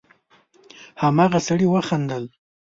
هماغه سړي وخندل: